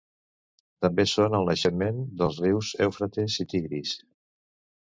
També són el naixement dels rius Eufrates i Tigris.